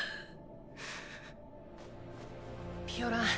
ピオラン